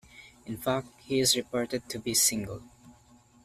In fact, he is reported to be single.